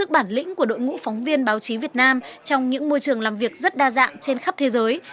bản lĩnh của đội ngũ phóng viên báo chí việt nam trong những môi trường làm việc rất đa dạng trên khắp thế giới